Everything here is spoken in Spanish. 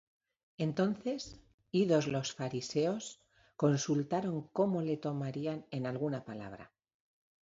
Entonces, idos los Fariseos, consultaron cómo le tomarían en alguna palabra.